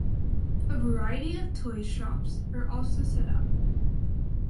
A variety of toy shops are also set up.